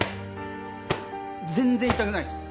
全然痛くないです！